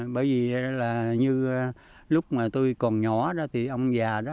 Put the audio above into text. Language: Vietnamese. bởi vì là như lúc mà tôi còn nhỏ đó thì ông già đó